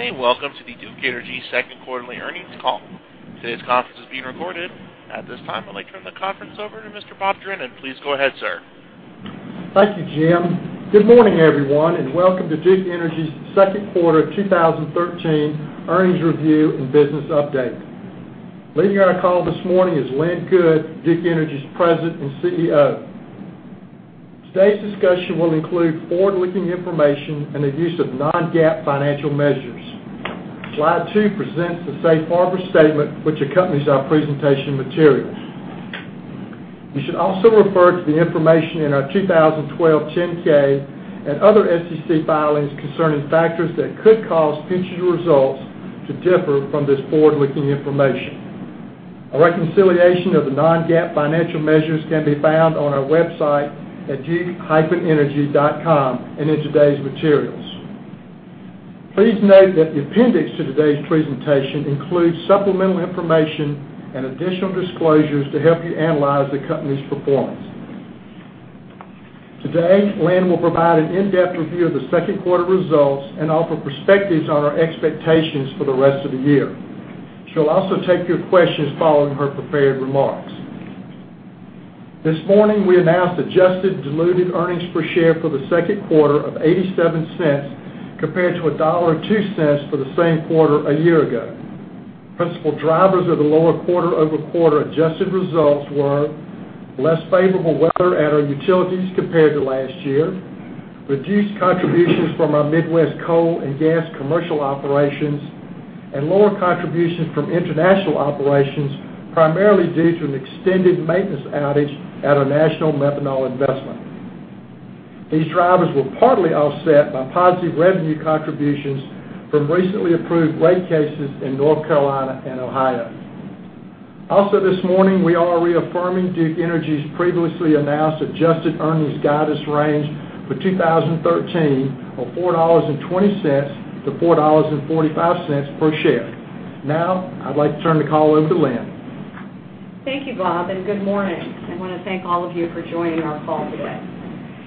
Good day. Welcome to the Duke Energy second quarterly earnings call. Today's conference is being recorded. At this time, I'd like to turn the conference over to Mr. Bob Drinnon. Please go ahead, sir. Thank you, Jim. Good morning, everyone, and welcome to Duke Energy's second quarter 2013 earnings review and business update. Leading our call this morning is Lynn Good, Duke Energy's President and CEO. Today's discussion will include forward-looking information and the use of non-GAAP financial measures. Slide two presents the safe harbor statement which accompanies our presentation materials. You should also refer to the information in our 2012 10-K and other SEC filings concerning factors that could cause future results to differ from this forward-looking information. A reconciliation of the non-GAAP financial measures can be found on our website at duke-energy.com and in today's materials. Please note that the appendix to today's presentation includes supplemental information and additional disclosures to help you analyze the company's performance. Today, Lynn will provide an in-depth review of the second quarter results and offer perspectives on our expectations for the rest of the year. She'll also take your questions following her prepared remarks. This morning, we announced adjusted diluted earnings per share for the second quarter of $0.87 compared to $1.02 for the same quarter a year ago. Principal drivers of the lower quarter-over-quarter adjusted results were less favorable weather at our utilities compared to last year, reduced contributions from our Midwest coal and gas commercial operations, and lower contributions from international operations, primarily due to an extended maintenance outage at our National Methanol investment. These drivers were partly offset by positive revenue contributions from recently approved rate cases in North Carolina and Ohio. This morning, we are reaffirming Duke Energy's previously announced adjusted earnings guidance range for 2013 of $4.20 to $4.45 per share. I'd like to turn the call over to Lynn. Thank you, Bob, and good morning. I want to thank all of you for joining our call today.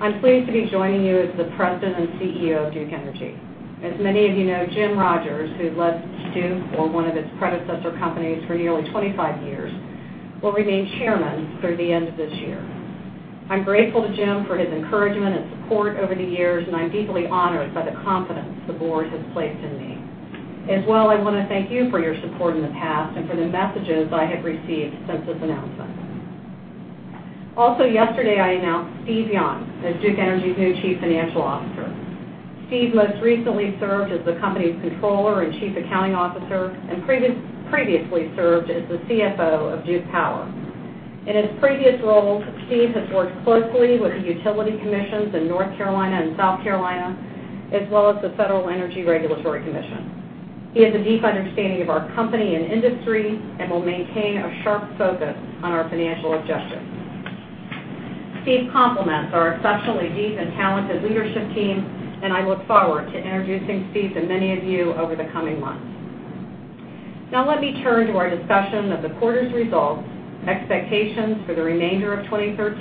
I'm pleased to be joining you as the President and CEO of Duke Energy. As many of you know, Jim Rogers, who led Duke or one of its predecessor companies for nearly 25 years, will remain chairman through the end of this year. I'm grateful to Jim for his encouragement and support over the years, and I'm deeply honored by the confidence the board has placed in me. I want to thank you for your support in the past and for the messages I have received since this announcement. Yesterday, I announced Steve Young as Duke Energy's new chief financial officer. Steve most recently served as the company's controller and chief accounting officer and previously served as the CFO of Duke Power. In his previous roles, Steve has worked closely with the utility commissions in North Carolina and South Carolina, as well as the Federal Energy Regulatory Commission. He has a deep understanding of our company and industry and will maintain a sharp focus on our financial adjustments. Steve complements our exceptionally deep and talented leadership team. I look forward to introducing Steve to many of you over the coming months. Let me turn to our discussion of the quarter's results, expectations for the remainder of 2013,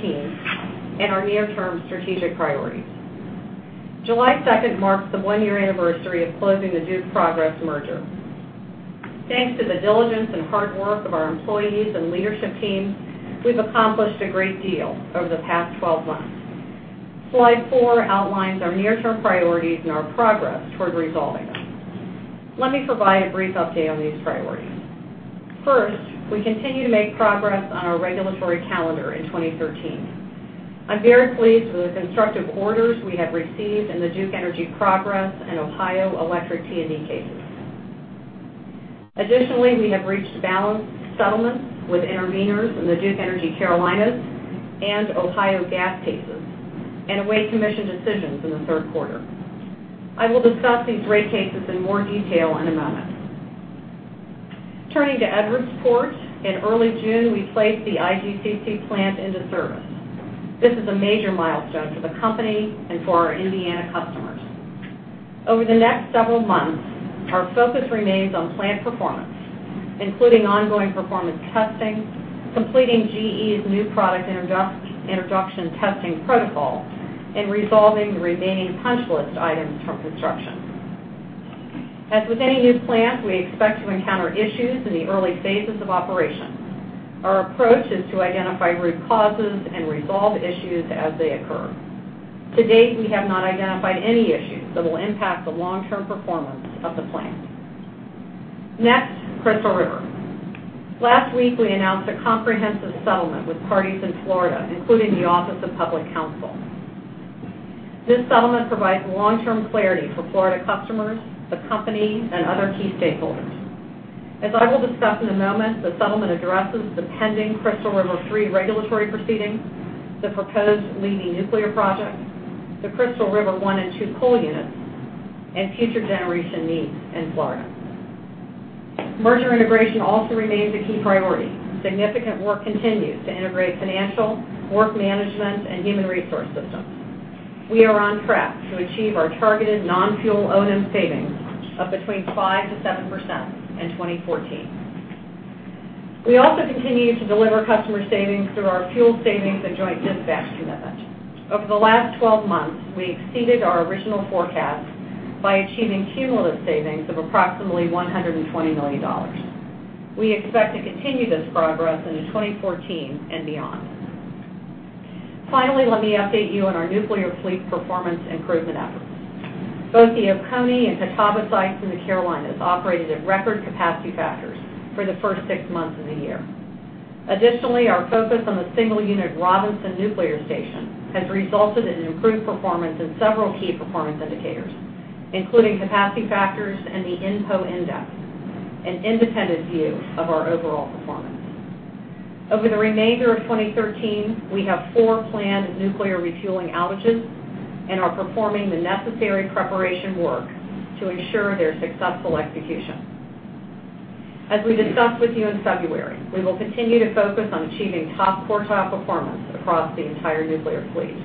and our near-term strategic priorities. July 2nd marks the one-year anniversary of closing the Duke Progress merger. Thanks to the diligence and hard work of our employees and leadership teams, we've accomplished a great deal over the past 12 months. Slide four outlines our near-term priorities and our progress toward resolving them. Let me provide a brief update on these priorities. We continue to make progress on our regulatory calendar in 2013. I'm very pleased with the constructive orders we have received in the Duke Energy Progress and Ohio Electric T&D cases. Additionally, we have reached balanced settlements with interveners in the Duke Energy Carolinas and Ohio gas cases and await commission decisions in the third quarter. I will discuss these rate cases in more detail in a moment. Edwardsport. In early June, we placed the IGCC plant into service. This is a major milestone for the company and for our Indiana customers. Over the next several months, our focus remains on plant performance, including ongoing performance testing, completing GE's new product introduction testing protocol, and resolving the remaining punch list items from construction. As with any new plant, we expect to encounter issues in the early phases of operation. Our approach is to identify root causes and resolve issues as they occur. To date, we have not identified any issues that will impact the long-term performance of the plant. Crystal River. Last week, we announced a comprehensive settlement with parties in Florida, including the Florida Office of Public Counsel. This settlement provides long-term clarity for Florida customers, the company, and other key stakeholders. As I will discuss in a moment, the settlement addresses the pending Crystal River 3 regulatory proceeding, the proposed Levy nuclear project, the Crystal River 1 and 2 coal units, and future generation needs in Florida. Merger integration also remains a key priority. Significant work continues to integrate financial, work management, and human resource systems. We are on track to achieve our targeted non-fuel O&M savings of between 5%-7% in 2014. We also continue to deliver customer savings through our fuel savings and joint dispatch commitment. Over the last 12 months, we exceeded our original forecast by achieving cumulative savings of approximately $120 million. We expect to continue this progress into 2014 and beyond. Let me update you on our nuclear fleet performance improvement efforts. Both the Oconee and Catawba sites in the Carolinas operated at record capacity factors for the first six months of the year. Additionally, our focus on the single-unit Robinson Nuclear Station has resulted in improved performance in several key performance indicators, including capacity factors and the INPO Index, an independent view of our overall performance. Over the remainder of 2013, we have four planned nuclear refueling outages and are performing the necessary preparation work to ensure their successful execution. As we discussed with you in February, we will continue to focus on achieving top quartile performance across the entire nuclear fleet.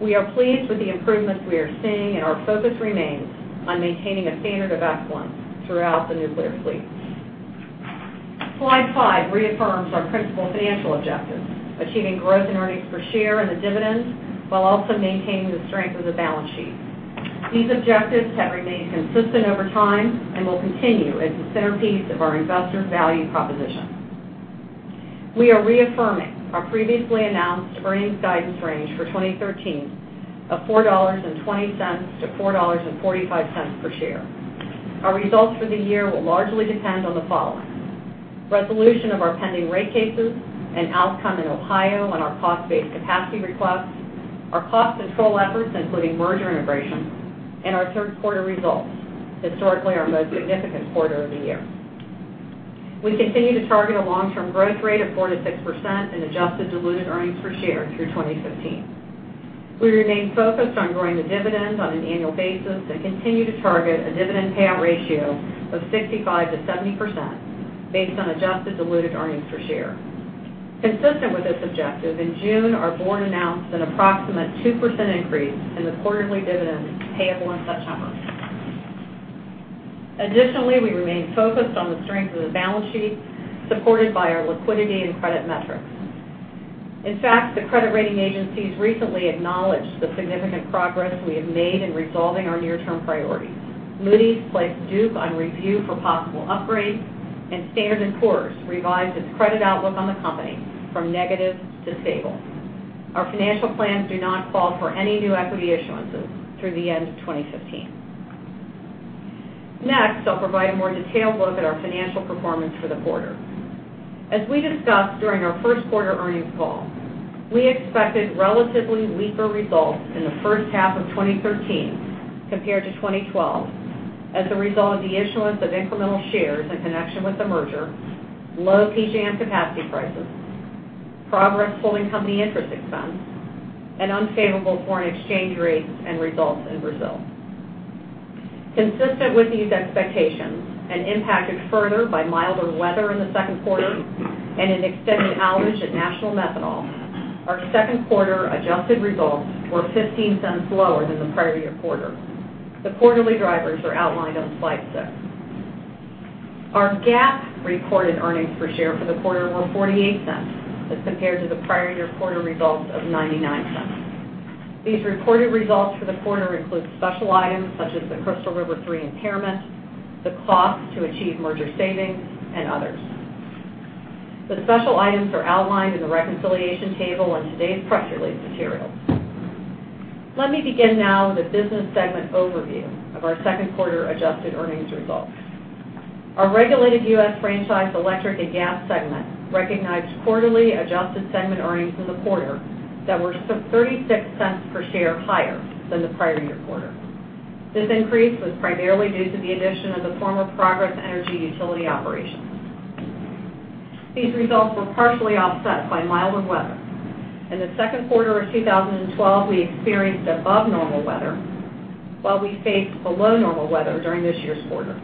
We are pleased with the improvements we are seeing, and our focus remains on maintaining a standard of excellence throughout the nuclear fleet. Slide five reaffirms our principal financial objectives, achieving growth in earnings per share and the dividends, while also maintaining the strength of the balance sheet. These objectives have remained consistent over time and will continue as the centerpiece of our investor value proposition. We are reaffirming our previously announced earnings guidance range for 2013 of $4.20-$4.45 per share. Our results for the year will largely depend on the following: resolution of our pending rate cases and outcome in Ohio on our cost-based capacity requests, our cost control efforts, including merger integration, and our third quarter results, historically our most significant quarter of the year. We continue to target a long-term growth rate of 4%-6% in adjusted diluted earnings per share through 2015. We remain focused on growing the dividend on an annual basis and continue to target a dividend payout ratio of 65%-70% based on adjusted diluted earnings per share. Consistent with this objective, in June, our board announced an approximate 2% increase in the quarterly dividend payable in September. Additionally, we remain focused on the strength of the balance sheet, supported by our liquidity and credit metrics. In fact, the credit rating agencies recently acknowledged the significant progress we have made in resolving our near-term priorities. Moody's placed Duke on review for possible upgrade, and Standard & Poor's revised its credit outlook on the company from negative to stable. Our financial plans do not call for any new equity issuances through the end of 2015. Next, I'll provide a more detailed look at our financial performance for the quarter. As we discussed during our first quarter earnings call, we expected relatively weaker results in the first half of 2013 compared to 2012 as a result of the issuance of incremental shares in connection with the merger, low PJM capacity prices, Progress holding company interest expense, and unfavorable foreign exchange rates and results in Brazil. Consistent with these expectations and impacted further by milder weather in the second quarter and an extended outage at National Methanol, our second quarter adjusted results were $0.15 lower than the prior year quarter. The quarterly drivers are outlined on slide six. Our GAAP reported earnings per share for the quarter were $0.48 as compared to the prior year quarter results of $0.99. These reported results for the quarter include special items such as the Crystal River 3 impairment, the cost to achieve merger savings, and others. The special items are outlined in the reconciliation table in today's press release materials. Let me begin now with the business segment overview of our second quarter adjusted earnings results. Our regulated U.S. franchise electric and gas segment recognized quarterly adjusted segment earnings in the quarter that were $0.36 per share higher than the prior year quarter. This increase was primarily due to the addition of the former Progress Energy utility operations. These results were partially offset by milder weather. In the second quarter of 2012, we experienced above normal weather, while we faced below normal weather during this year's quarter.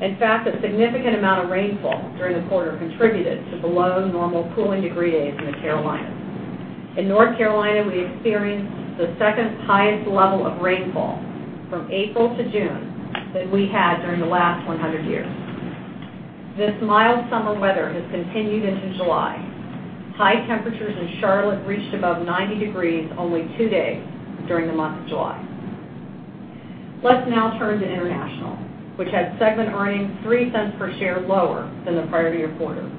In fact, a significant amount of rainfall during the quarter contributed to below normal cooling degree days in the Carolinas. In North Carolina, we experienced the second highest level of rainfall from April to June than we had during the last 100 years. This mild summer weather has continued into July. High temperatures in Charlotte reached above 90 degrees only two days during the month of July. Let's now turn to International, which had segment earnings $0.03 per share lower than the prior year quarter.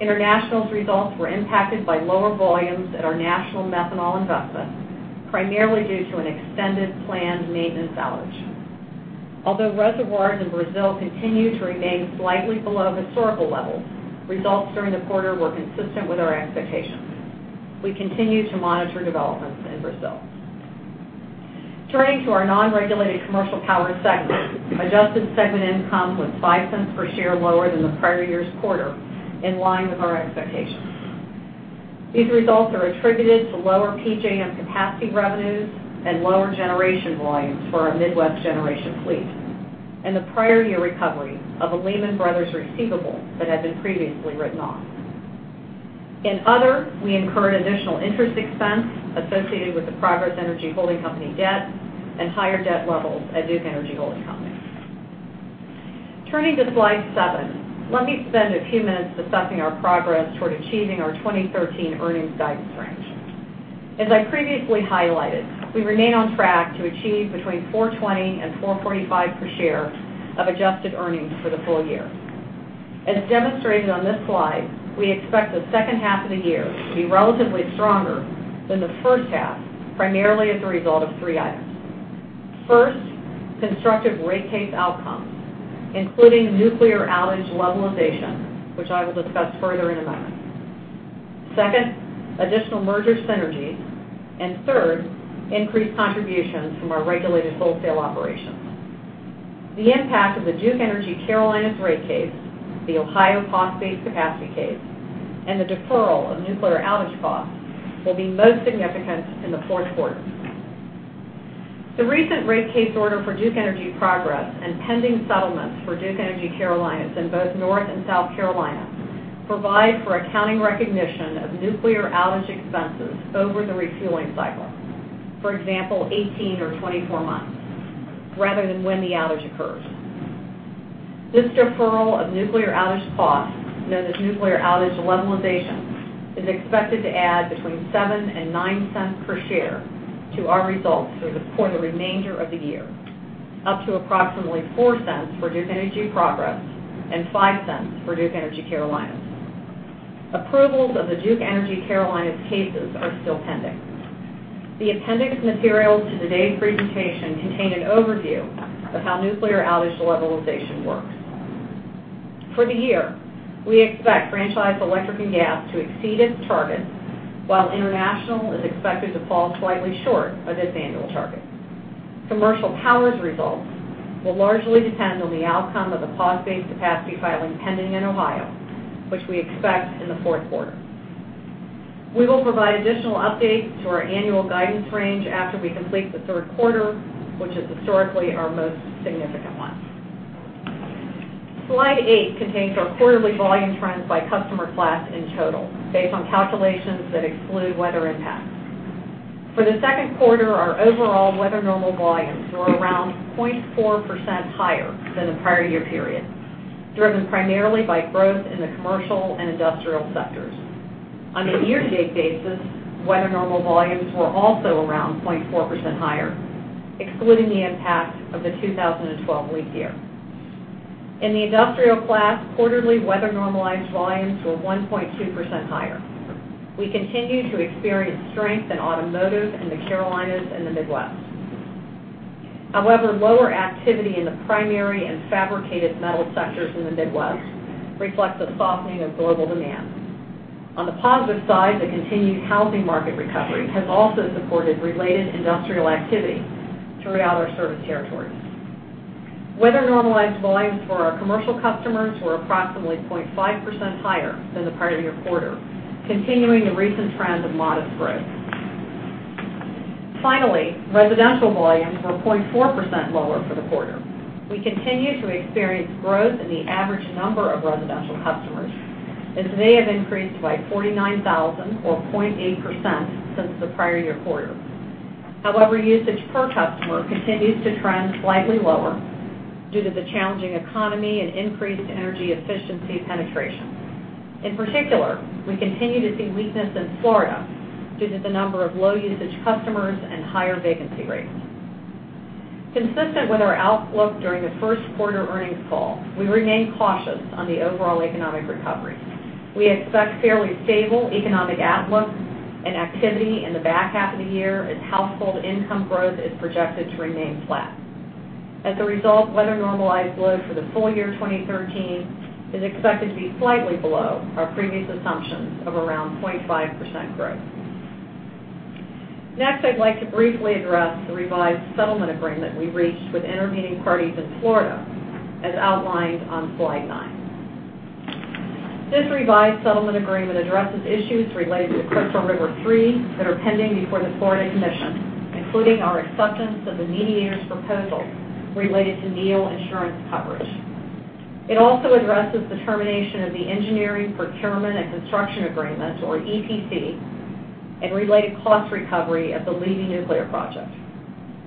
International's results were impacted by lower volumes at our National Methanol investment, primarily due to an extended planned maintenance outage. Although reservoirs in Brazil continue to remain slightly below historical levels, results during the quarter were consistent with our expectations. We continue to monitor developments in Brazil. Turning to our non-regulated Commercial Power segment, adjusted segment income was $0.05 per share lower than the prior year's quarter, in line with our expectations. These results are attributed to lower PJM capacity revenues and lower generation volumes for our Midwest generation fleet and the prior year recovery of a Lehman Brothers receivable that had been previously written off. In other, we incurred additional interest expense associated with the Progress Energy holding company debt and higher debt levels at Duke Energy Holding Company. Turning to slide seven, let me spend a few minutes discussing our progress toward achieving our 2013 earnings guidance range. As I previously highlighted, we remain on track to achieve between $4.20 and $4.45 per share of adjusted earnings for the full year. As demonstrated on this slide, we expect the second half of the year to be relatively stronger than the first half, primarily as a result of three items. First, constructive rate case outcomes, including nuclear outage levelization, which I will discuss further in a moment. Second, additional merger synergies, and third, increased contributions from our regulated wholesale operations. The impact of the Duke Energy Carolinas rate case, the Ohio cost-based capacity case, and the deferral of nuclear outage costs will be most significant in the fourth quarter. The recent rate case order for Duke Energy Progress and pending settlements for Duke Energy Carolinas in both North and South Carolina provide for accounting recognition of nuclear outage expenses over the refueling cycle. For example, 18 or 24 months, rather than when the outage occurs. This deferral of nuclear outage costs, known as nuclear outage levelization, is expected to add between $0.07 and $0.09 per share to our results for the remainder of the year, up to approximately $0.04 for Duke Energy Progress and $0.05 for Duke Energy Carolinas. Approvals of the Duke Energy Carolinas cases are still pending. The appendix materials to today's presentation contain an overview of how nuclear outage levelization works. For the year, we expect Franchise Electric & Gas to exceed its target, while International is expected to fall slightly short of its annual target. Commercial Power's results will largely depend on the outcome of the cost-based capacity filing pending in Ohio, which we expect in the fourth quarter. We will provide additional updates to our annual guidance range after we complete the third quarter, which is historically our most significant one. Slide eight contains our quarterly volume trends by customer class in total, based on calculations that exclude weather impacts. For the second quarter, our overall weather normal volumes were around 0.4% higher than the prior year period, driven primarily by growth in the commercial and industrial sectors. On a year-to-date basis, weather normal volumes were also around 0.4% higher, excluding the impact of the 2012 leap year. In the industrial class, quarterly weather normalized volumes were 1.2% higher. We continue to experience strength in automotive in the Carolinas and the Midwest. However, lower activity in the primary and fabricated metal sectors in the Midwest reflects the softening of global demand. On the positive side, the continued housing market recovery has also supported related industrial activity throughout our service territories. Weather normalized volumes for our commercial customers were approximately 0.5% higher than the prior year quarter, continuing the recent trend of modest growth. Finally, residential volumes were 0.4% lower for the quarter. We continue to experience growth in the average number of residential customers, as they have increased by 49,000 or 0.8% since the prior year quarter. However, usage per customer continues to trend slightly lower due to the challenging economy and increased energy efficiency penetration. In particular, we continue to see weakness in Florida due to the number of low usage customers and higher vacancy rates. Consistent with our outlook during the first quarter earnings call, we remain cautious on the overall economic recovery. We expect fairly stable economic outlook and activity in the back half of the year as household income growth is projected to remain flat. As a result, weather normalized load for the full year 2013 is expected to be slightly below our previous assumptions of around 0.5% growth. Next, I'd like to briefly address the revised settlement agreement we reached with intervening parties in Florida, as outlined on slide nine. This revised settlement agreement addresses issues related to Crystal River 3 that are pending before the Florida Commission, including our acceptance of the mediator's proposal related to NEIL insurance coverage. It also addresses the termination of the engineering, procurement and construction agreement, or EPC, and related cost recovery of the Levy nuclear project,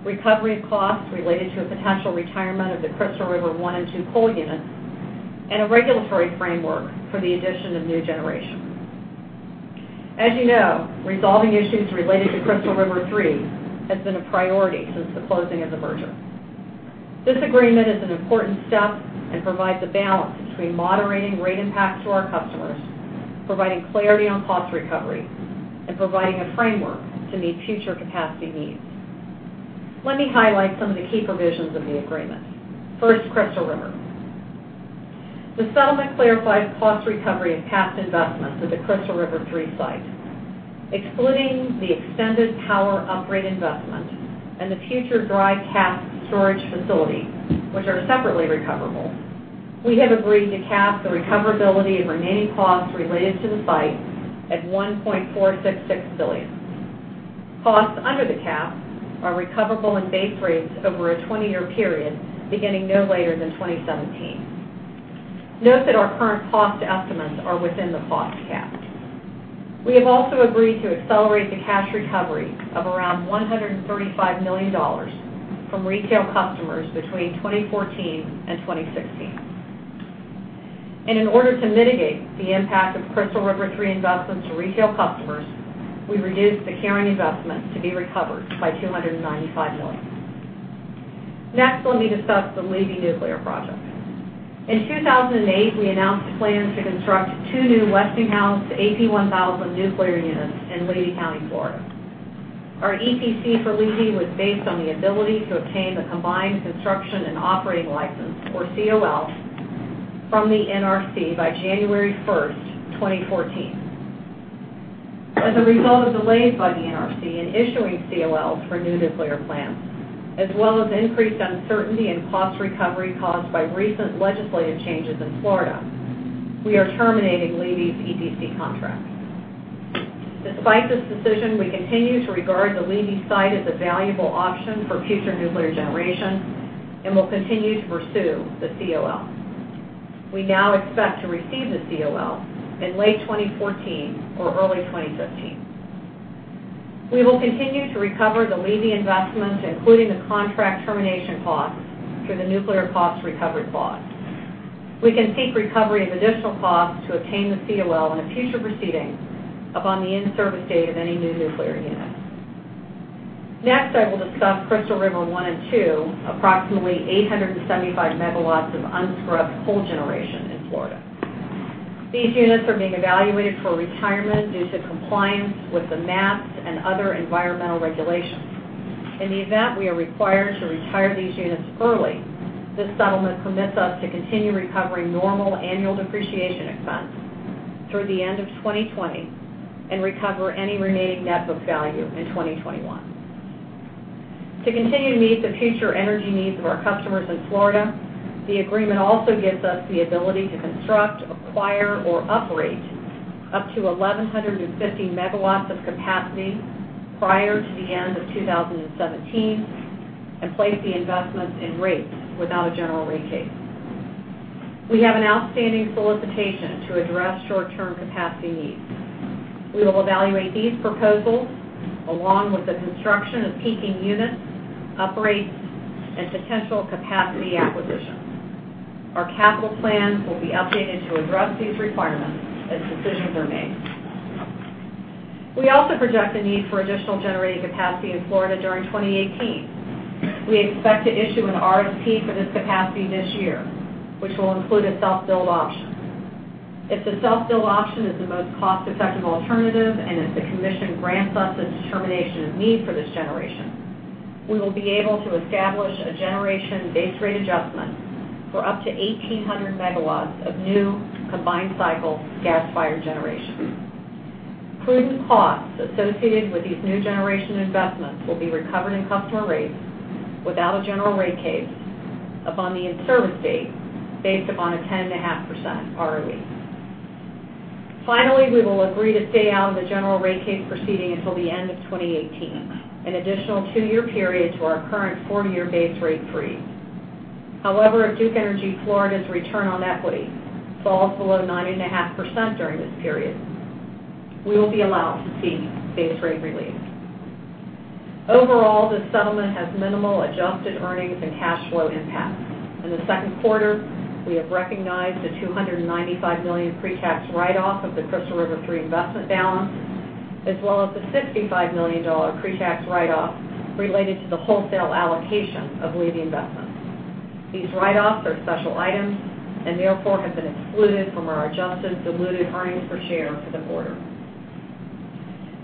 recovery of costs related to a potential retirement of the Crystal River 1 and 2 coal units, and a regulatory framework for the addition of new generation. As you know, resolving issues related to Crystal River 3 has been a priority since the closing of the merger. This agreement is an important step and provides a balance between moderating rate impacts to our customers, providing clarity on cost recovery, and providing a framework to meet future capacity needs. Let me highlight some of the key provisions of the agreement. First, Crystal River. The settlement clarifies cost recovery of past investments at the Crystal River 3 site. Excluding the extended power upgrade investment and the future dry cask storage facility, which are separately recoverable, we have agreed to cap the recoverability of remaining costs related to the site at $1.466 billion. Costs under the cap are recoverable in base rates over a 20-year period beginning no later than 2017. Note that our current cost estimates are within the cost cap. We have also agreed to accelerate the cash recovery of around $135 million from retail customers between 2014 and 2016. In order to mitigate the impact of Crystal River 3 investments to retail customers, we reduced the carrying investment to be recovered by $295 million. Next, let me discuss the Levy nuclear project. In 2008, we announced plans to construct two new Westinghouse AP1000 nuclear units in Levy County, Florida. Our EPC for Levy was based on the ability to obtain the combined construction and operating license, or COL, from the NRC by January 1st, 2014. As a result of delays by the NRC in issuing COLs for new nuclear plants, as well as increased uncertainty in cost recovery caused by recent legislative changes in Florida, we are terminating Levy's EPC contract. Despite this decision, we continue to regard the Levy site as a valuable option for future nuclear generation and will continue to pursue the COL. We now expect to receive the COL in late 2014 or early 2015. We will continue to recover the Levy investments, including the contract termination costs, through the nuclear cost recovery clause. We can seek recovery of additional costs to obtain the COL in a future proceeding upon the in-service date of any new nuclear unit. Next, I will discuss Crystal River 1 and 2, approximately 875 megawatts of unscrubbed coal generation in Florida. These units are being evaluated for retirement due to compliance with the MATS and other environmental regulations. In the event we are required to retire these units early, this settlement commits us to continue recovering normal annual depreciation expense through the end of 2020 and recover any remaining net book value in 2021. To continue to meet the future energy needs of our customers in Florida, the agreement also gives us the ability to construct, acquire, or operate up to 1,150 megawatts of capacity prior to the end of 2017 and place the investments in rates without a general rate case. We have an outstanding solicitation to address short-term capacity needs. We will evaluate these proposals along with the construction of peaking units, upgrades, and potential capacity acquisitions. Our capital plans will be updated to address these requirements as decisions are made. We also project a need for additional generating capacity in Florida during 2018. We expect to issue an RFP for this capacity this year, which will include a self-build option. If the self-build option is the most cost-effective alternative, and if the Commission grants us a determination of need for this generation, we will be able to establish a generation base rate adjustment for up to 1,800 megawatts of new combined cycle gas-fired generation. Prudent costs associated with these new generation investments will be recovered in customer rates without a general rate case upon the in-service date based upon a 10.5% ROE. Finally, we will agree to stay out of the general rate case proceeding until the end of 2018, an additional two-year period to our current four-year base rate freeze. If Duke Energy Florida's return on equity falls below 9.5% during this period, we will be allowed to seek base rate relief. Overall, this settlement has minimal adjusted earnings and cash flow impacts. In the second quarter, we have recognized a $295 million pre-tax write-off of the Crystal River 3 investment balance, as well as a $65 million pre-tax write-off related to the wholesale allocation of Levy investments. These write-offs are special items and therefore have been excluded from our adjusted diluted earnings per share for the quarter.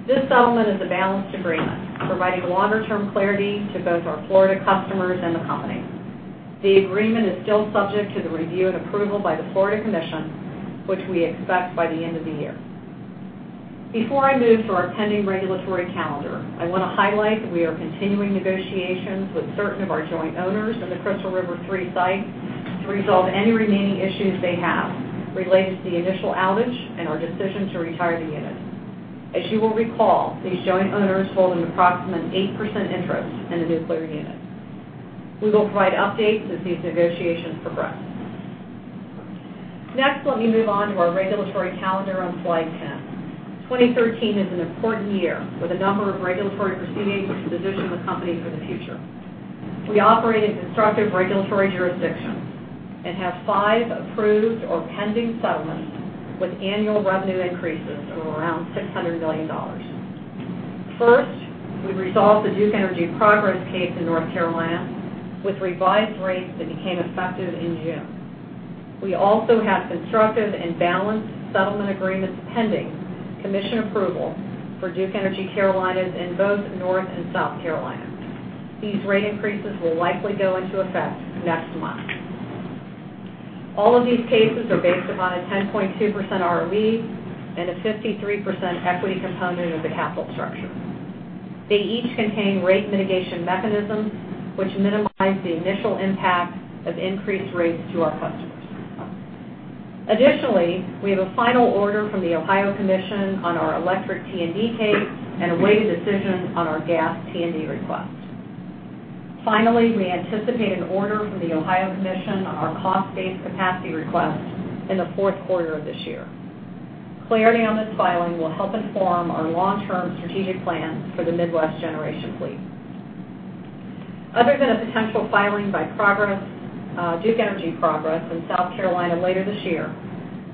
This settlement is a balanced agreement, providing longer-term clarity to both our Florida customers and the company. The agreement is still subject to the review and approval by the Florida Commission, which we expect by the end of the year. Before I move to our pending regulatory calendar, I want to highlight that we are continuing negotiations with certain of our joint owners in the Crystal River 3 site to resolve any remaining issues they have related to the initial outage and our decision to retire the unit. As you will recall, these joint owners hold an approximate 8% interest in the nuclear unit. We will provide updates as these negotiations progress. Next, let me move on to our regulatory calendar on slide ten. 2013 is an important year with a number of regulatory proceedings to position the company for the future. We operate in constructive regulatory jurisdictions and have five approved or pending settlements with annual revenue increases of around $600 million. First, we resolved the Duke Energy Progress case in North Carolina with revised rates that became effective in June. We also have constructive and balanced settlement agreements pending Commission approval for Duke Energy Carolinas in both North and South Carolina. These rate increases will likely go into effect next month. All of these cases are based upon a 10.2% ROE and a 53% equity component of the capital structure. They each contain rate mitigation mechanisms, which minimize the initial impact of increased rates to our customers. Additionally, we have a final order from the Ohio Commission on our electric T&D case and awaited decision on our gas T&D request. Finally, we anticipate an order from the Ohio Commission on our cost-based capacity request in the fourth quarter of this year. Clarity on this filing will help inform our long-term strategic plan for the Midwest generation fleet. Other than a potential filing by Duke Energy Progress in South Carolina later this year,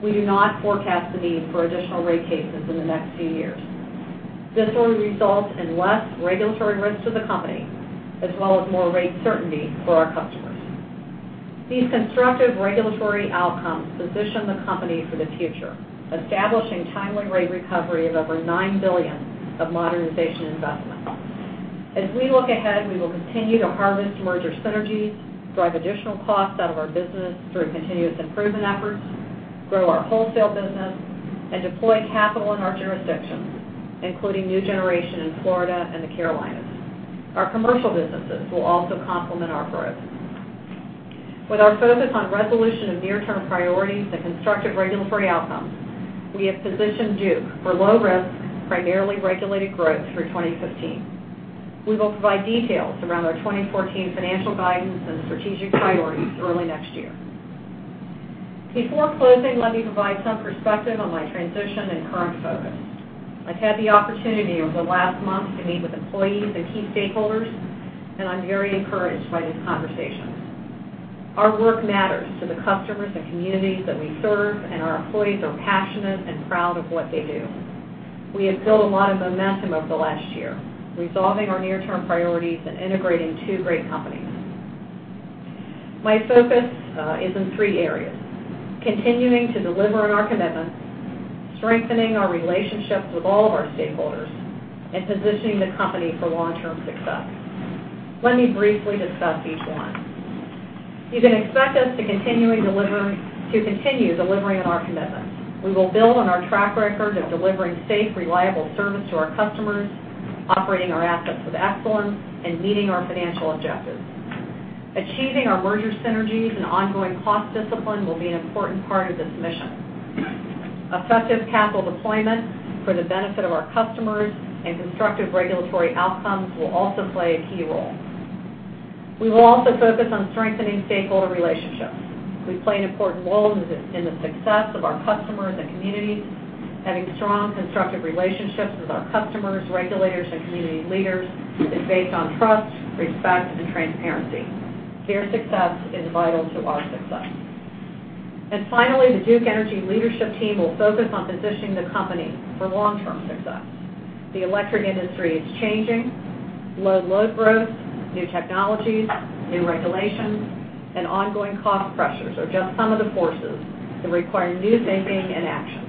we do not forecast the need for additional rate cases in the next few years. This will result in less regulatory risk to the company, as well as more rate certainty for our customers. These constructive regulatory outcomes position the company for the future, establishing timely rate recovery of over $9 billion of modernization investments. As we look ahead, we will continue to harvest merger synergies, drive additional costs out of our business through continuous improvement efforts, grow our wholesale business, and deploy capital in our jurisdictions, including new generation in Florida and the Carolinas. Our commercial businesses will also complement our growth. With our focus on resolution of near-term priorities and constructive regulatory outcomes, we have positioned Duke for low risk, primarily regulated growth through 2015. We will provide details around our 2014 financial guidance and strategic priorities early next year. Before closing, let me provide some perspective on my transition and current focus. I've had the opportunity over the last month to meet with employees and key stakeholders, and I'm very encouraged by these conversations. Our work matters to the customers and communities that we serve, and our employees are passionate and proud of what they do. We have built a lot of momentum over the last year, resolving our near-term priorities and integrating two great companies. My focus is in three areas: continuing to deliver on our commitments, strengthening our relationships with all of our stakeholders, and positioning the company for long-term success. Let me briefly discuss each one. You can expect us to continue delivering on our commitments. We will build on our track record of delivering safe, reliable service to our customers, operating our assets with excellence, and meeting our financial objectives. Achieving our merger synergies and ongoing cost discipline will be an important part of this mission. Effective capital deployment for the benefit of our customers and constructive regulatory outcomes will also play a key role. We will also focus on strengthening stakeholder relationships. We play an important role in the success of our customers and communities. Having strong, constructive relationships with our customers, regulators, and community leaders is based on trust, respect, and transparency. Their success is vital to our success. Finally, the Duke Energy leadership team will focus on positioning the company for long-term success. The electric industry is changing. Low load growth, new technologies, new regulations, and ongoing cost pressures are just some of the forces that require new thinking and action.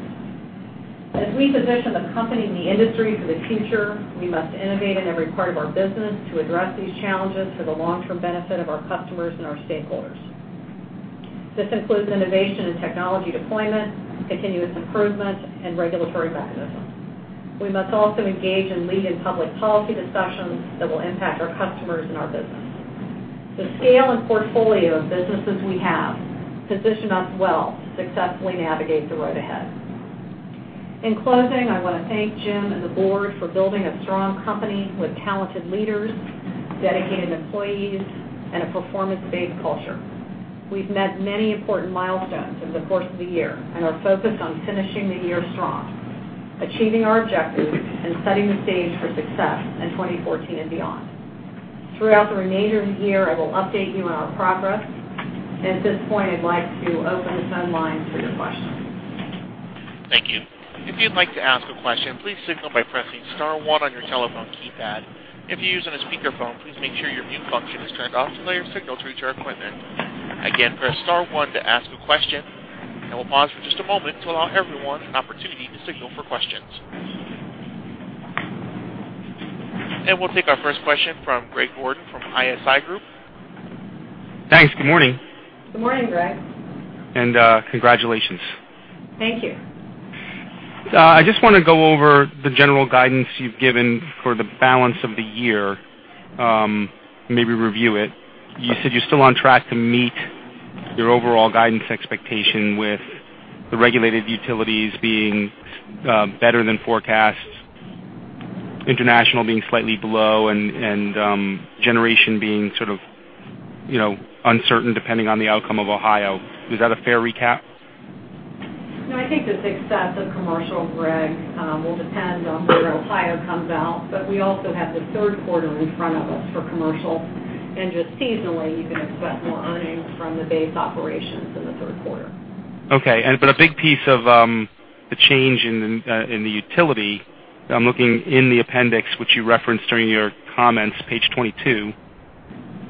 As we position the company and the industry for the future, we must innovate in every part of our business to address these challenges for the long-term benefit of our customers and our stakeholders. This includes innovation and technology deployment, continuous improvement, and regulatory mechanisms. We must also engage in leading public policy discussions that will impact our customers and our business. The scale and portfolio of businesses we have position us well to successfully navigate the road ahead. In closing, I want to thank Jim and the board for building a strong company with talented leaders, dedicated employees, and a performance-based culture. We've met many important milestones over the course of the year and are focused on finishing the year strong, achieving our objectives, and setting the stage for success in 2014 and beyond. Throughout the remainder of the year, I will update you on our progress. At this point, I'd like to open the phone lines for your questions. Thank you. If you'd like to ask a question, please signal by pressing *1 on your telephone keypad. If you're using a speakerphone, please make sure your mute function is turned off to allow your signal to reach our equipment. Again, press *1 to ask a question, we'll pause for just a moment to allow everyone an opportunity to signal for questions. We'll take our first question from Greg Gordon from ISI Group. Thanks. Good morning. Good morning, Greg. Congratulations. Thank you. I just want to go over the general guidance you've given for the balance of the year, maybe review it. You said you're still on track to meet your overall guidance expectation with the regulated utilities being better than forecast, international being slightly below, and generation being uncertain depending on the outcome of Ohio. Is that a fair recap? I think the success of commercial, Greg, will depend on where Ohio comes out, but we also have the third quarter in front of us for commercial, and just seasonally, you can expect more earnings from the base operations in the third quarter. A big piece of the change in the utility, I'm looking in the appendix, which you referenced during your comments, page 22,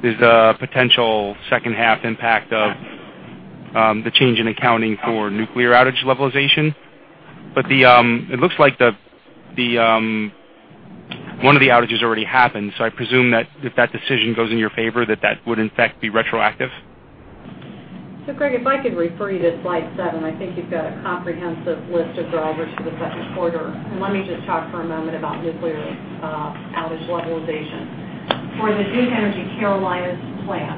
is a potential second half impact of the change in accounting for nuclear outage levelization. It looks like one of the outages already happened, so I presume that if that decision goes in your favor, that that would in fact be retroactive. Greg, if I could refer you to slide seven, I think you've got a comprehensive list of drivers for the second quarter. Let me just talk for a moment about nuclear outage levelization. For the Duke Energy Carolinas plan,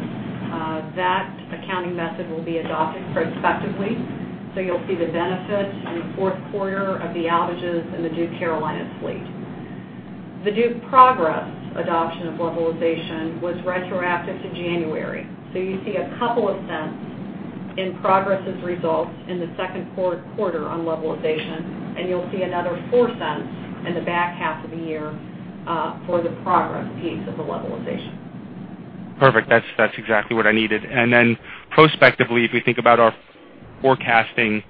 that accounting method will be adopted prospectively. You'll see the benefits in the fourth quarter of the outages in the Duke Carolinas fleet. The Duke Progress adoption of levelization was retroactive to January, you'll see about $0.02 in Progress' results in the second quarter on levelization, and you'll see another $0.04 in the back half of the year for the Progress piece of the levelization. Perfect. That's exactly what I needed. Prospectively, if we think about our forecasting,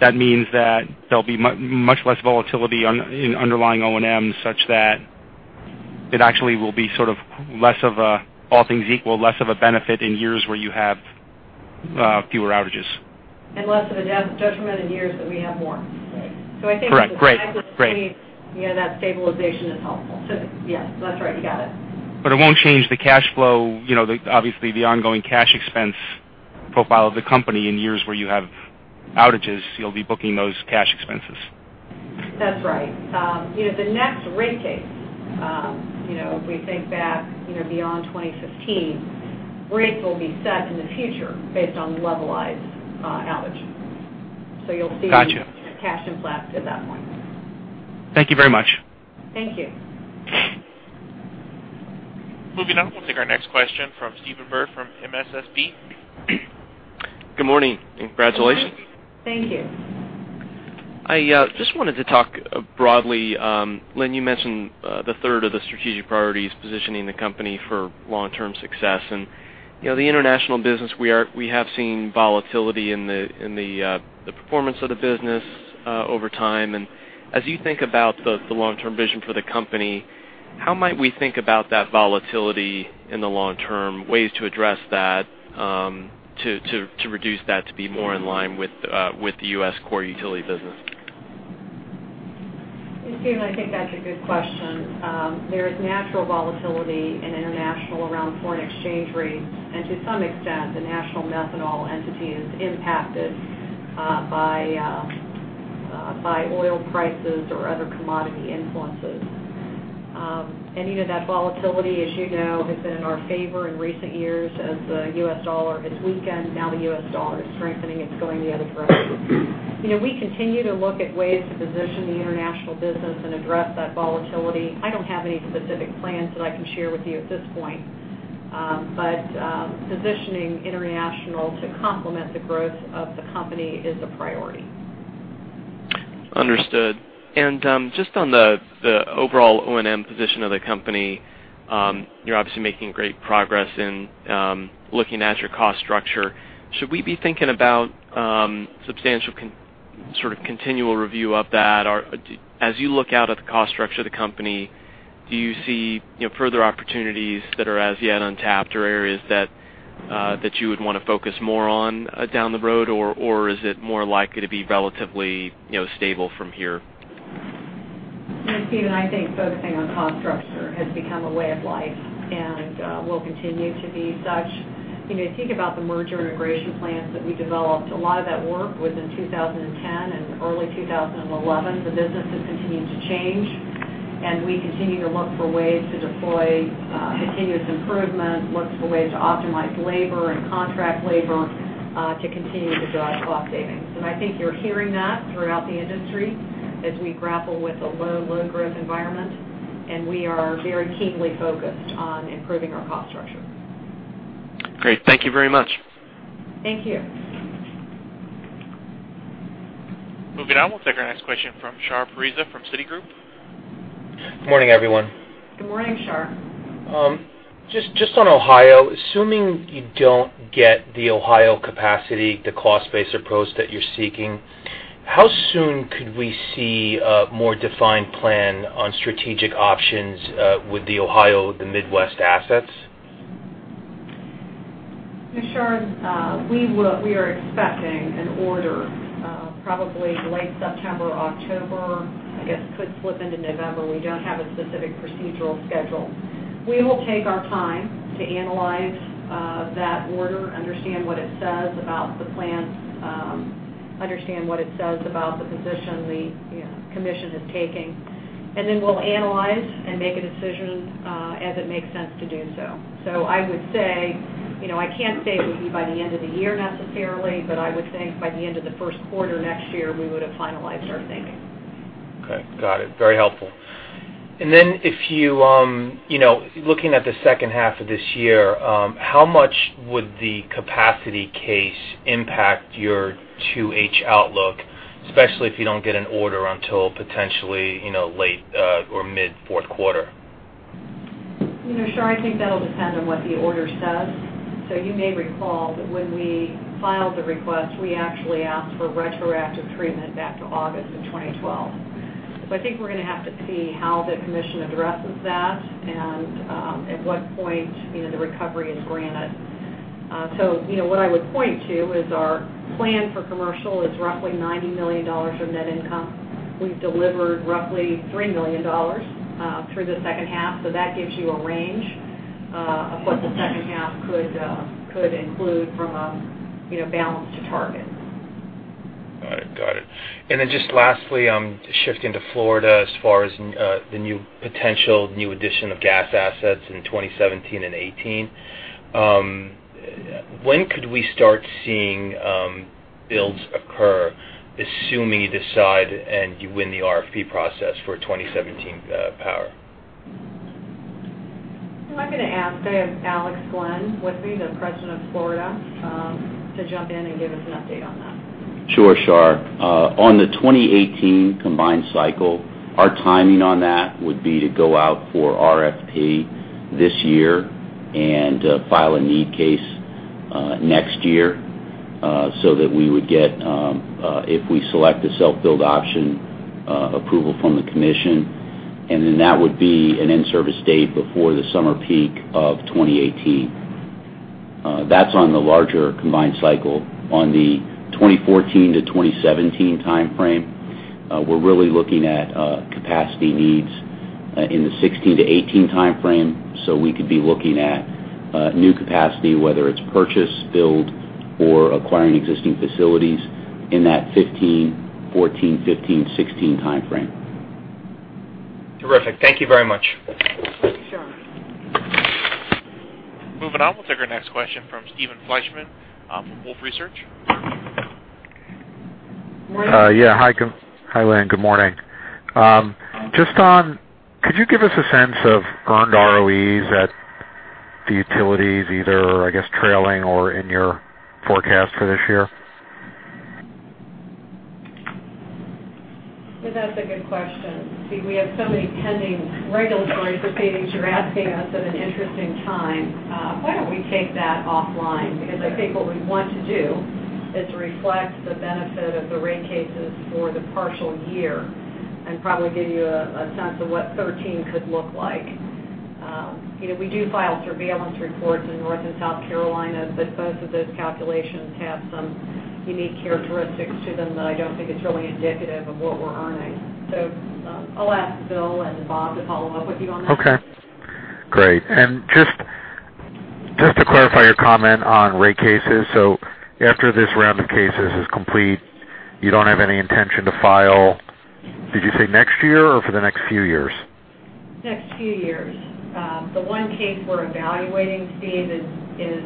that means that there'll be much less volatility in underlying O&M, such that it actually will be sort of less of a, all things equal, less of a benefit in years where you have fewer outages. Less of a detriment in years that we have more. Right. I think. Correct. Great. that stabilization is helpful. Yes, that's right, you got it. It won't change the cash flow, obviously, the ongoing cash expense profile of the company in years where you have outages, you'll be booking those cash expenses. That's right. The next rate case, if we think back, beyond 2015, rates will be set in the future based on levelized outage. Got you. cash influx at that point. Thank you very much. Thank you. Moving on. We'll take our next question from Stephen Byrd from MSSB. Good morning. Congratulations. Thank you. I just wanted to talk broadly. Lynn, you mentioned the third of the strategic priorities, positioning the company for long-term success and the international business, we have seen volatility in the performance of the business over time. As you think about the long-term vision for the company, how might we think about that volatility in the long term, ways to address that, to reduce that to be more in line with the U.S. core utility business? Yeah, Stephen, I think that's a good question. There is natural volatility in international around foreign exchange rates, and to some extent, the National Methanol entity is impacted by oil prices or other commodity influences. That volatility, as you know, has been in our favor in recent years as the U.S. dollar has weakened. The U.S. dollar is strengthening, it's going the other direction. We continue to look at ways to position the international business and address that volatility. I don't have any specific plans that I can share with you at this point. Positioning international to complement the growth of the company is a priority. Understood. Just on the overall O&M position of the company, you're obviously making great progress in looking at your cost structure. Should we be thinking about substantial sort of continual review of that? As you look out at the cost structure of the company, do you see further opportunities that are as yet untapped or areas that you would want to focus more on down the road? Is it more likely to be relatively stable from here? Yeah, Stephen, I think focusing on cost structure has become a way of life and will continue to be such. Think about the merger integration plans that we developed. A lot of that work was in 2010 and early 2011. The business has continued to change, and we continue to look for ways to deploy continuous improvement, look for ways to optimize labor and contract labor to continue to drive cost savings. I think you're hearing that throughout the industry as we grapple with a low growth environment, we are very keenly focused on improving our cost structure. Great. Thank you very much. Thank you. Moving on, we'll take our next question from Shahriar Pourreza from Citigroup. Good morning, everyone. Good morning, Shar. Just on Ohio, assuming you don't get the Ohio capacity, the cost-based approach that you're seeking, how soon could we see a more defined plan on strategic options with the Ohio, the Midwest assets? Yeah, Shar, we are expecting an order probably late September, October, I guess could slip into November. We don't have a specific procedural schedule. We will take our time to analyze that order, understand what it says about the plans, understand what it says about the position the commission is taking, and then we'll analyze and make a decision as it makes sense to do so. I would say, I can't say it would be by the end of the year necessarily, but I would think by the end of the first quarter next year, we would have finalized our thinking. Okay. Got it. Very helpful. Then if you, looking at the second half of this year, how much would the capacity case impact your 2H outlook, especially if you don't get an order until potentially late or mid fourth quarter? Shar, I think that'll depend on what the order says. You may recall that when we filed the request, we actually asked for retroactive treatment back to August of 2012. I think we're going to have to see how the commission addresses that and at what point the recovery is granted. What I would point to is our plan for commercial is roughly $90 million of net income. We've delivered roughly $3 million through the second half. That gives you a range of what the second half could include from a balance to target. Got it. Then just lastly, shifting to Florida as far as the potential new addition of gas assets in 2017 and 2018. When could we start seeing builds occur, assuming you decide and you win the RFP process for 2017 power? I'm going to ask, I have Alex Glenn with me, the President of Florida, to jump in and give us an update on that. Sure, Shar. On the 2018 combined cycle, our timing on that would be to go out for RFP this year and file a need case next year that we would get, if we select the self-build option, approval from the Commission, then that would be an in-service date before the summer peak of 2018. That's on the larger combined cycle. On the 2014 to 2017 timeframe, we're really looking at capacity needs in the 2016 to 2018 timeframe. We could be looking at new capacity, whether it's purchase, build, or acquiring existing facilities in that 2014, 2015, 2016 timeframe. Terrific. Thank you very much. Thank you, Shar. Moving on, we'll take our next question from Steve Fleishman from Wolfe Research. Yeah. Hi, Lynn. Good morning. Could you give us a sense of earned ROEs at the utilities, either I guess trailing or in your forecast for this year? That's a good question. Steve, we have so many pending regulatory proceedings. You're asking us at an interesting time. Why don't we take that offline? Because I think what we want to do is reflect the benefit of the rate cases for the partial year and probably give you a sense of what 2013 could look like. We do file surveillance reports in North and South Carolina, but both of those calculations have some unique characteristics to them that I don't think it's really indicative of what we're earning. I'll ask Bill and Bob to follow up with you on that. Okay, great. Just to clarify your comment on rate cases. After this round of cases is complete, you don't have any intention to file, did you say next year or for the next few years? Next few years. The one case we're evaluating, Steve, is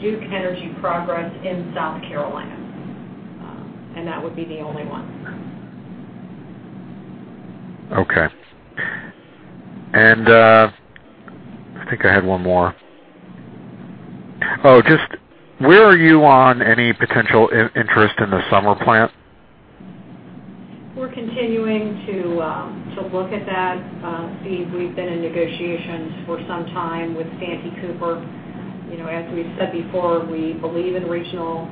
Duke Energy Progress in South Carolina. That would be the only one. Okay. I think I had one more. Where are you on any potential interest in the Summer plant? We're continuing to look at that. Steve, we've been in negotiations for some time with Santee Cooper. As we've said before, we believe in regional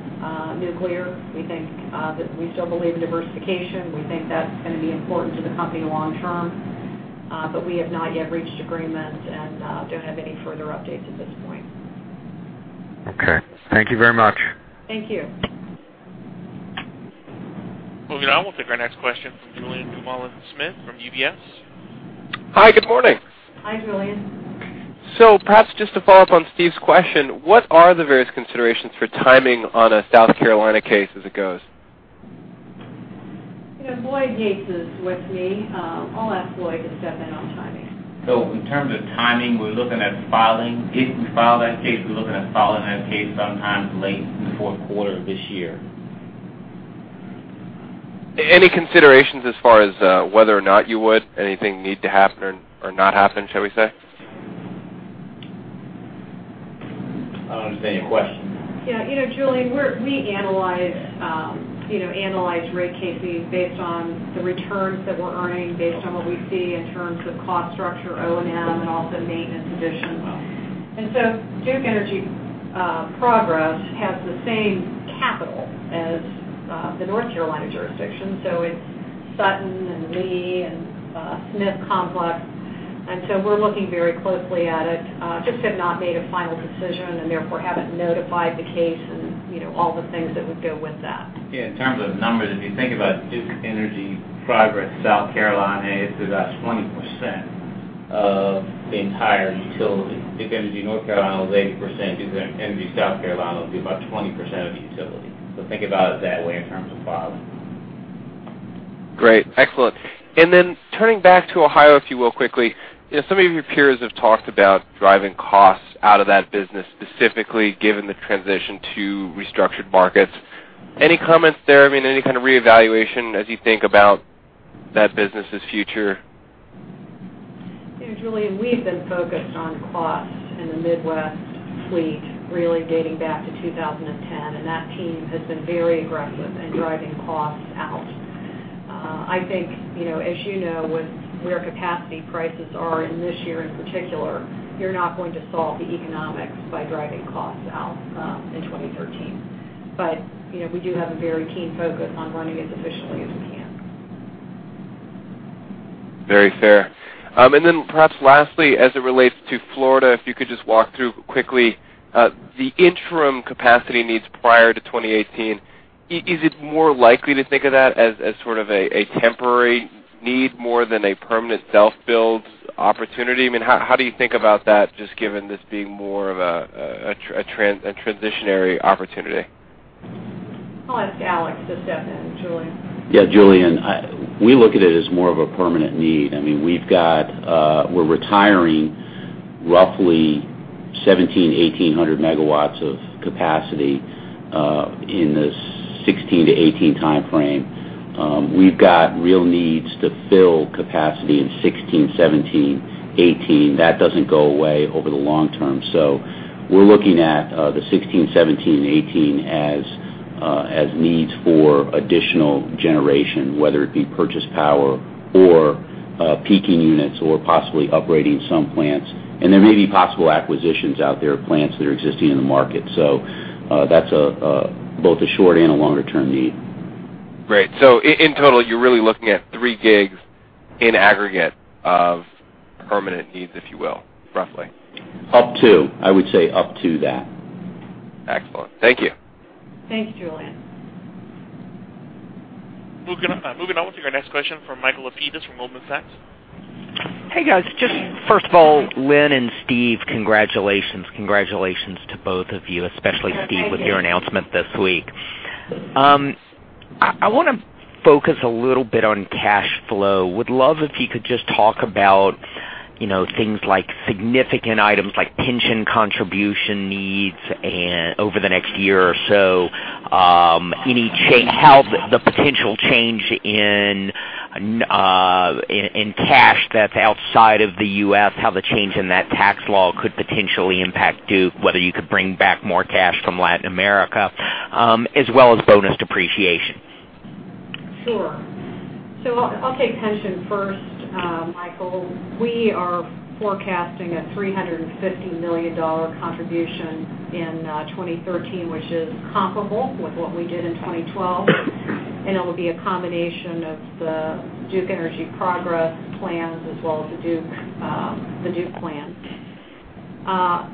nuclear. We still believe in diversification. We think that's going to be important to the company long term. We have not yet reached agreement and don't have any further updates at this point. Okay. Thank you very much. Thank you. Moving on, we'll take our next question from Julien Dumoulin-Smith from UBS. Hi, good morning. Hi, Julien. Perhaps just to follow up on Steve's question, what are the various considerations for timing on a South Carolina case as it goes? Lloyd Yates is with me. I'll ask Lloyd to step in on timing. In terms of timing, if we file that case, we're looking at filing that case sometime late in the fourth quarter of this year. Any considerations as far as whether or not you would? Anything need to happen or not happen, shall we say? I don't understand your question. Julien, we analyze rate cases based on the returns that we're earning, based on what we see in terms of cost structure, O&M, and also maintenance additions. Duke Energy Progress has the same capital as the North Carolina jurisdiction. So it's Sutton and Lee and Smith Complex. We're looking very closely at it. We just have not made a final decision and therefore haven't notified the case and all the things that would go with that. In terms of numbers, if you think about Duke Energy Progress South Carolina, it's about 20% of the entire utility. Duke Energy North Carolina was 80%. Duke Energy South Carolina would be about 20% of the utility. Think about it that way in terms of filing. Great. Excellent. Turning back to Ohio, if you will, quickly. Some of your peers have talked about driving costs out of that business, specifically given the transition to restructured markets. Any comments there? Any kind of reevaluation as you think about that business' future? Julien, we've been focused on costs in the Midwest fleet really dating back to 2010, that team has been very aggressive in driving costs out. I think, as you know, with where capacity prices are in this year in particular, you're not going to solve the economics by driving costs out in 2013. We do have a very keen focus on running as efficiently as we can. Very fair. Perhaps lastly, as it relates to Florida, if you could just walk through quickly the interim capacity needs prior to 2018. Is it more likely to think of that as sort of a temporary need more than a permanent self-build opportunity? How do you think about that, just given this being more of a transitionary opportunity? I'll ask Alex to step in, Julien. Julien, we look at it as more of a permanent need. We're retiring roughly 1,700, 1,800 megawatts of capacity in the 2016 to 2018 timeframe. We've got real needs to fill capacity in 2016, 2017, 2018. That doesn't go away over the long term. We're looking at the 2016, 2017, and 2018 as needs for additional generation, whether it be purchase power or peaking units or possibly upgrading some plants. There may be possible acquisitions out there of plants that are existing in the market. That's both a short and a longer-term need. Great. In total, you're really looking at three gigs in aggregate of permanent needs, if you will, roughly. Up to. I would say up to that. Excellent. Thank you. Thanks, Julien. Moving on. We'll take our next question from Michael Lapidus from Goldman Sachs. Hey, guys. Just first of all, Lynn and Steve, congratulations. Congratulations to both of you. Thank you. with your announcement this week. I want to focus a little bit on cash flow. Would love if you could just talk about things like significant items, like pension contribution needs over the next year or so. How the potential change in cash that's outside of the U.S., how the change in that tax law could potentially impact Duke, whether you could bring back more cash from Latin America, as well as bonus depreciation. Sure. I'll take pension first, Michael. We are forecasting a $350 million contribution in 2013, which is comparable with what we did in 2012, and it will be a combination of the Duke Energy Progress plans as well as the Duke plan.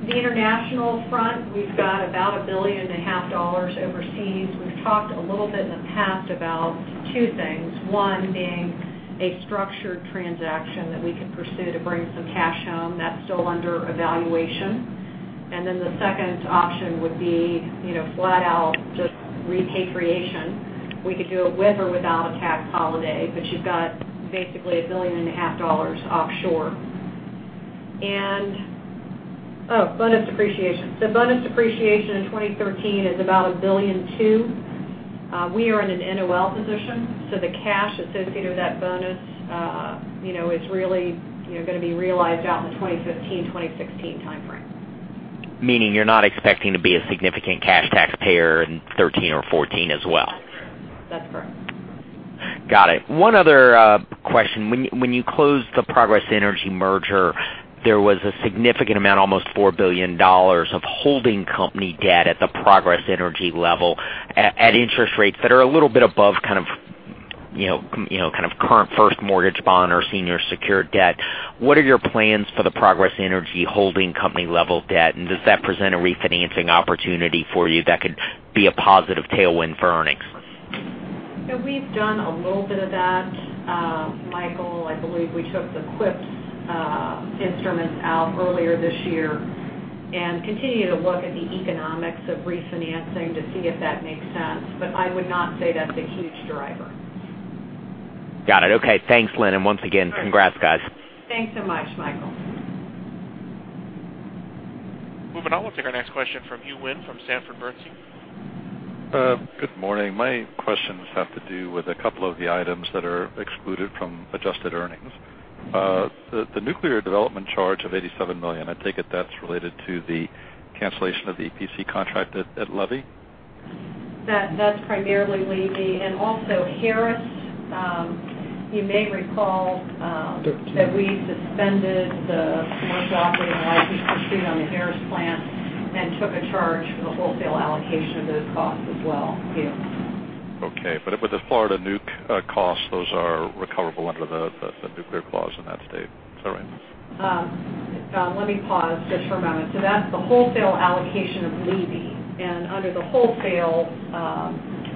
The international front, we've got about a billion and a half dollars overseas. We've talked a little bit in the past about two things, one being a structured transaction that we could pursue to bring some cash home. That's still under evaluation. The second option would be flat out just repatriation. We could do it with or without a tax holiday, you've got basically a billion and a half dollars offshore. Bonus depreciation. Bonus depreciation in 2013 is about $1.2 billion. We are in an NOL position, the cash associated with that bonus is really going to be realized out in the 2015, 2016 timeframe. Meaning you're not expecting to be a significant cash taxpayer in 2013 or 2014 as well? That's correct. Got it. One other question. When you closed the Progress Energy merger, there was a significant amount, almost $4 billion, of holding company debt at the Progress Energy level at interest rates that are a little bit above current first mortgage bond or senior secured debt. What are your plans for the Progress Energy holding company level debt, and does that present a refinancing opportunity for you that could be a positive tailwind for earnings? We've done a little bit of that, Michael. I believe we took the equity instruments out earlier this year and continue to look at the economics of refinancing to see if that makes sense, but I would not say that's a huge driver. Got it. Okay. Thanks, Lynn. Once again, congrats, guys. Thanks so much, Michael. Moving on. We'll take our next question from Hugh Wynne from Sanford Bernstein. Good morning. My questions have to do with a couple of the items that are excluded from adjusted earnings. The nuclear development charge of $87 million, I take it that's related to the cancellation of the EPC contract at Levy? That's primarily Levy and also Harris. You may recall that we suspended the commercial operating license pursuit on the Harris plant and took a charge for the wholesale allocation of those costs as well, Hugh. Okay. With the Florida nuke costs, those are recoverable under the nuclear clause in that state. Is that right? Let me pause just for a moment. That's the wholesale allocation of Levy, and under the wholesale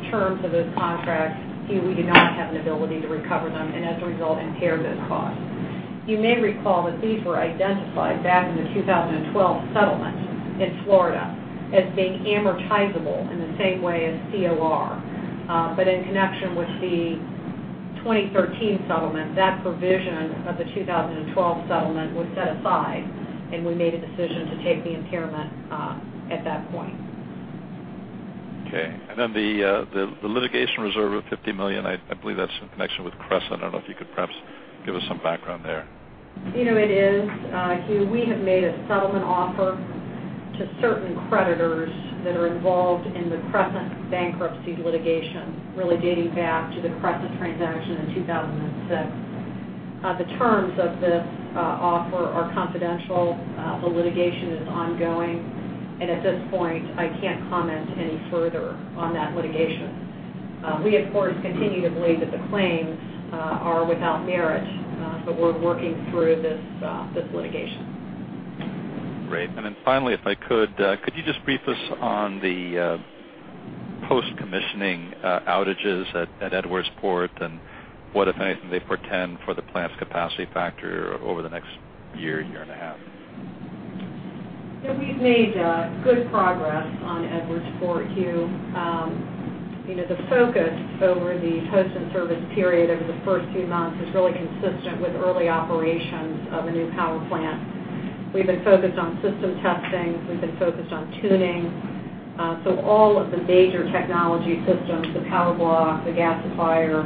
terms of those contracts, Hugh, we do not have an ability to recover them and as a result, impair those costs. You may recall that these were identified back in the 2012 settlement in Florida as being amortizable in the same way as CR3. In connection with the 2013 settlement, that provision of the 2012 settlement was set aside, and we made a decision to take the impairment at that point. Okay. The litigation reserve of $50 million, I believe that's in connection with Crescent. I don't know if you could perhaps give us some background there. It is, Hugh. We have made a settlement offer to certain creditors that are involved in the Crescent Bankruptcy litigation, really dating back to the Crescent transaction in 2006. The terms of this offer are confidential. The litigation is ongoing, and at this point, I can't comment any further on that litigation. We, of course, continue to believe that the claims are without merit, but we're working through this litigation. Great. Finally, if I could you just brief us on the post-commissioning outages at Edwardsport and what, if anything, they portend for the plant's capacity factor over the next year and a half? We've made good progress on Edwardsport, Hugh. The focus over the post-in-service period over the first few months is really consistent with early operations of a new power plant. We've been focused on system testing. We've been focused on tuning. All of the major technology systems, the power block, the gasifier,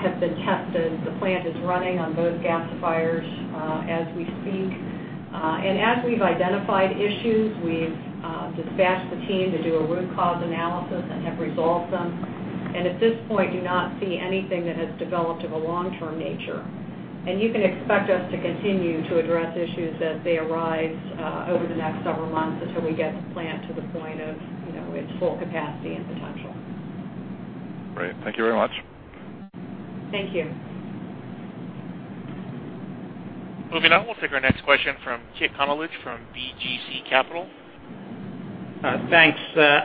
have been tested. The plant is running on both gasifiers as we speak. As we've identified issues, we've dispatched the team to do a root cause analysis and have resolved them. At this point, do not see anything that has developed of a long-term nature. You can expect us to continue to address issues as they arise over the next several months until we get the plant to its full capacity and potential. Great. Thank you very much. Thank you. Moving on, we'll take our next question from Kit Konolige from BGC Partners. Thanks.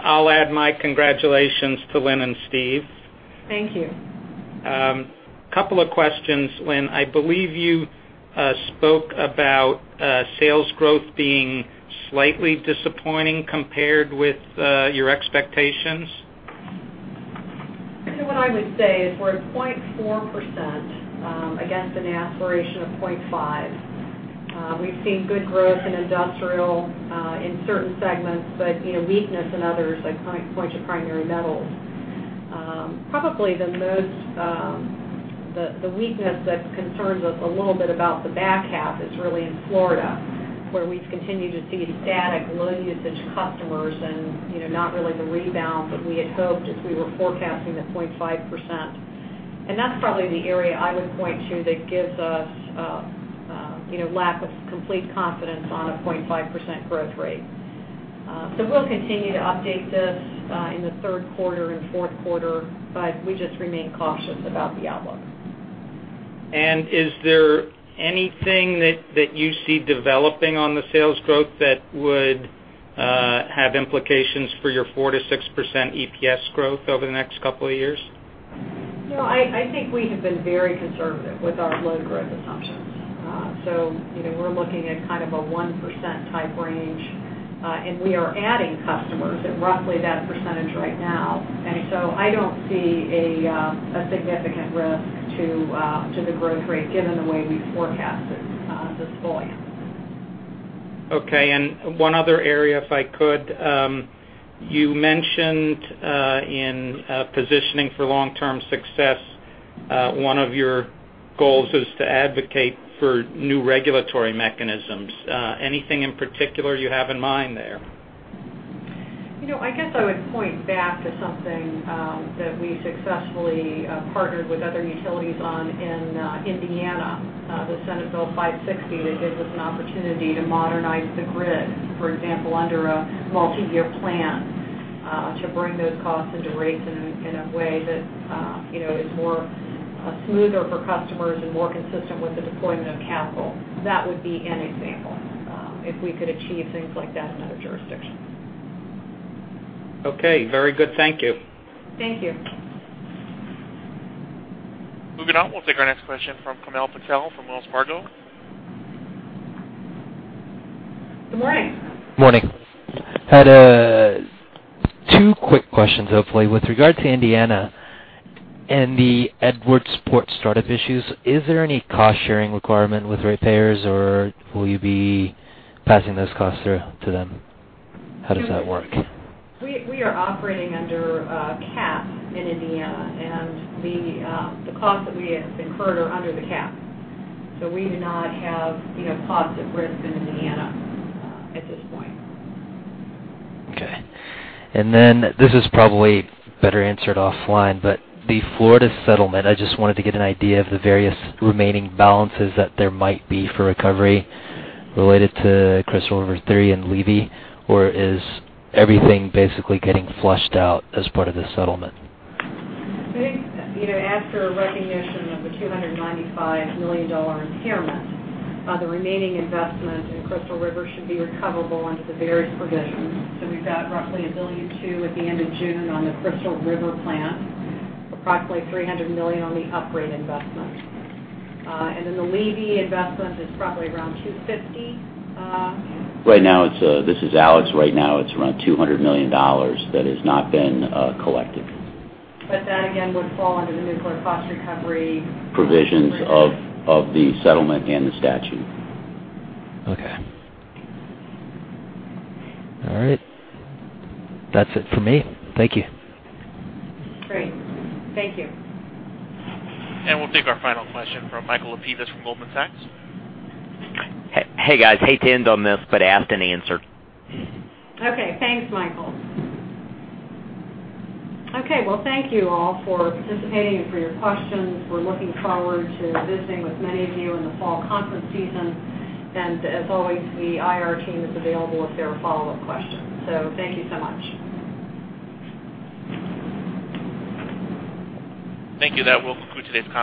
I'll add my congratulations to Lynn and Steve. Thank you. Couple of questions, Lynn. I believe you spoke about sales growth being slightly disappointing compared with your expectations? What I would say is we're at 0.4% against an aspiration of 0.5%. We've seen good growth in industrial in certain segments, but weakness in others, I point to primary metals. Probably the weakness that concerns us a little bit about the back half is really in Florida, where we've continued to see static low usage customers and not really the rebound that we had hoped as we were forecasting the 0.5%. That's probably the area I would point to that gives us a lack of complete confidence on a 0.5% growth rate. We'll continue to update this in the third quarter and fourth quarter, we just remain cautious about the outlook. Is there anything that you see developing on the sales growth that would have implications for your 4%-6% EPS growth over the next couple of years? No, I think we have been very conservative with our load growth assumptions. We're looking at kind of a 1% type range, and we are adding customers at roughly that percentage right now. I don't see a significant risk to the growth rate given the way we forecast it this point. Okay. One other area, if I could. You mentioned in positioning for long-term success, one of your goals is to advocate for new regulatory mechanisms. Anything in particular you have in mind there? I guess I would point back to something that we successfully partnered with other utilities on in Indiana, the Senate Bill 560, that gives us an opportunity to modernize the grid, for example, under a multi-year plan to bring those costs into rates in a way that is smoother for customers and more consistent with the deployment of capital. That would be an example, if we could achieve things like that in other jurisdictions. Okay, very good. Thank you. Thank you. Moving on, we'll take our next question from Kamal Patel from Wells Fargo. Good morning. Morning. Had two quick questions, hopefully. With regard to Indiana and the Edwardsport startup issues, is there any cost-sharing requirement with ratepayers, or will you be passing those costs through to them? How does that work? We are operating under a cap in Indiana, and the costs that we have incurred are under the cap. We do not have positive risk in Indiana at this point. Okay. This is probably better answered offline, the Florida settlement, I just wanted to get an idea of the various remaining balances that there might be for recovery related to Crystal River 3 and Levy, or is everything basically getting flushed out as part of the settlement? I think, after recognition of the $295 million impairment, the remaining investment in Crystal River should be recoverable under the various provisions. We've got roughly $1.2 billion at the end of June on the Crystal River plant, approximately $300 million on the upgrade investment. The Levy investment is probably around $250 million. Right now, this is Alex. Right now, it's around $200 million that has not been collected. That again, would fall under the nuclear cost recovery- Provisions of the settlement and the statute. Okay. All right. That's it for me. Thank you. Great. Thank you. We'll take our final question from Michael Lapidus with Goldman Sachs. Hey, guys. Hate to end on this, but ask and answer. Okay. Thanks, Michael. Okay. Well, thank you all for participating and for your questions. We're looking forward to visiting with many of you in the fall conference season. As always, the IR team is available if there are follow-up questions. Thank you so much. Thank you. That will conclude today's conference call.